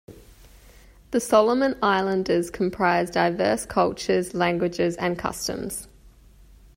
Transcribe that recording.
The Solomon Islanders comprise diverse cultures, languages, and customs.